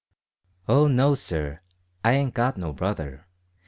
"O no, sir; I ain't got no brother.